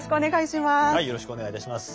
よろしくお願いします。